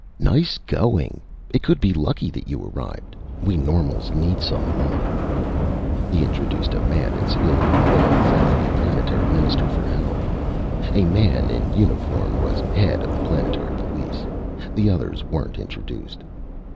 "Nice going! It could be lucky that you arrived. We normals need some luck!" He introduced a man in civilian clothes as the planetary Minister for Health. A man in uniform was head of the planetary police. The others weren't introduced.